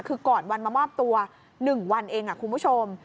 คือก่อนวันมามอบตัว๑วันเองคุณผู้ชม